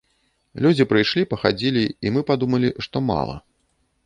Людзі прыйшлі, пахадзілі, і мы падумалі, што мала.